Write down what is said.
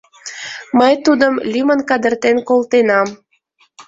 Мый тудым лӱмын кадыртен колтенам.